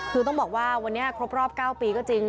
คือต้องบอกว่าวันนี้ครบรอบ๙ปีก็จริง